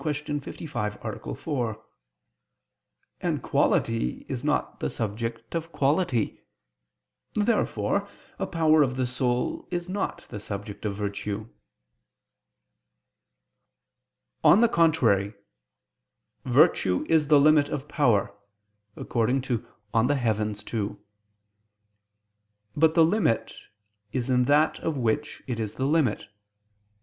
55, A. 4): and quality is not the subject of quality. Therefore a power of the soul is not the subject of virtue. On the contrary, "Virtue is the limit of power" (De Coelo ii). But the limit is in that of which it is the limit.